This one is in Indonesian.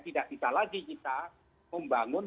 tidak bisa lagi kita membangun